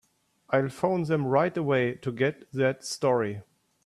I'll phone them right away to get that story.